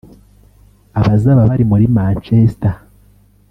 abazaba bari muri Manchester